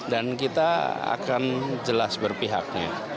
dan kita akan jelas berpihaknya